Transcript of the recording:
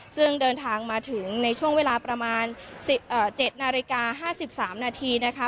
ซึ่งเดินทางมาถึงในช่วงเวลาประมาณ๗นาฬิกา๕๓นาทีนะคะ